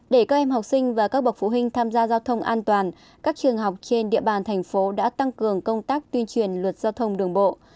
để các em học sinh và các bậc phụ huynh tham gia giao thông an toàn các trường học trên địa bàn thành phố đã tăng cường công tác tuyên truyền luật giao thông đường bộ